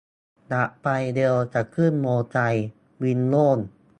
อยากไปเร็ว จะขึ้นมอไซค์ วินโล่ง